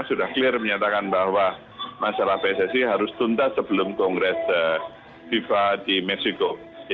sudah clear menyatakan bahwa masalah pssi harus tuntas sebelum kongres fifa di meksiko